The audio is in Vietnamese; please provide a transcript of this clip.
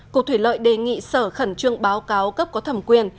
cục thủy lợi đề nghị sở khẩn trương báo cáo cấp có thẩm quyền